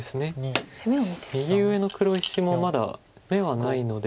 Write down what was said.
右上の黒石もまだ眼はないので。